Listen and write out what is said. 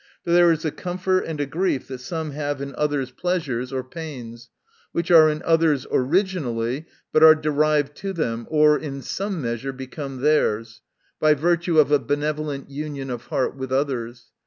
For there is a comfort, and a grief, that some have in others' pleasures or pains ; which are in others originally, but are derived to them, or in some measure become theirs, by virtue of a benevolent union of heart with others.